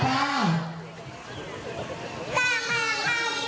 ปฏิญาณตน